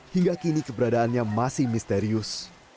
hingga kini keberadaannya masih misterius